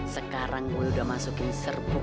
sekarang gue udah masukin serbuk